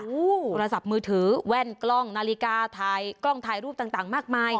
โอ้โหโทรศัพท์มือถือแว่นกล้องนาฬิกาถ่ายกล้องถ่ายรูปต่างมากมาย